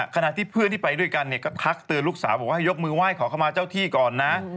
ขณะที่เพื่อนที่ไปด้วยกันเนี่ยก็ทักเตือนลูกสาวบอกว่าให้ยกมือไหว้ขอเข้ามาเจ้าที่ก่อนนะ